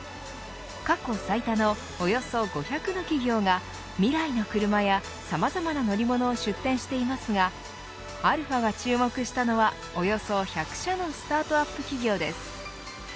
過去最多のおよそ５００の企業が未来の車やさまざまな乗り物を出展していますがαが注目したのはおよそ１００社のスタートアップ企業です。